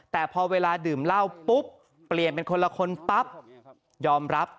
แต่พอเวลาดื่มเหล้าปุ๊บเปลี่ยนเป็นคนละคนปั๊บยอมรับ